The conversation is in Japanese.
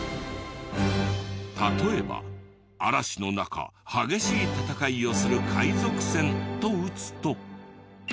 例えば「嵐の中激しい戦いをする海賊船」と打つと。